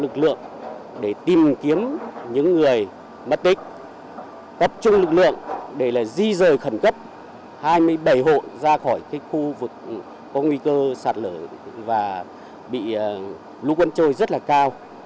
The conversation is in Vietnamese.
chúng lực lượng để là di rời khẩn cấp hai mươi bảy hộ ra khỏi khu vực có nguy cơ sạt lở và bị lũ quân trôi rất là cao